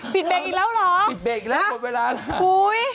ปิดเปิดอีกแล้วเหรออุ้ยวันเวลาแล้ว